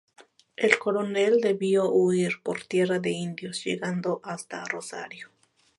El coronel debió huir por "tierra de indios", llegando hasta Rosario.